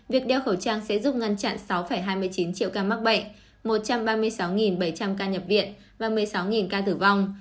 việc đeo khẩu trang sẽ giúp ngăn chặn sáu hai mươi chín triệu ca mắc bệnh một trăm ba mươi sáu bảy trăm linh ca nhập viện và một mươi sáu ca tử vong